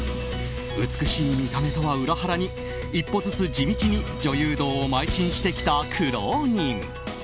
美しい見た目とは裏腹に一歩ずつ地道に女優道をまい進してきた苦労人。